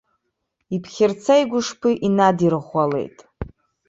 Иԥхьарца игәышԥы инадирӷәӷәалеит.